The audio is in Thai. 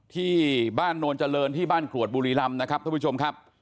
ที่บ้านโนนเจริญที่บ้านกรวดบุรีรำนะครับท่านผู้ชมครับ